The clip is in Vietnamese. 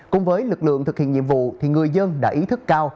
cùng với lực lượng thực hiện nhiệm vụ người dân đã ý thức cao